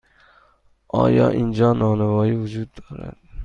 آیا اینجا نانوایی وجود دارد؟